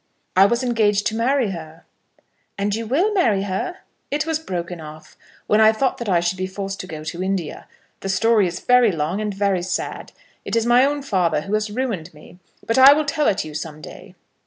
"I was engaged to marry her." "And you will marry her?" "It was broken off, when I thought that I should be forced to go to India. The story is very long, and very sad. It is my own father who has ruined me. But I will tell it you some day."